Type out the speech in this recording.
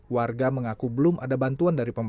warga mengaku belum ada bantuan dari pemerintah